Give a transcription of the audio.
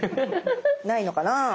ないのかなぁ。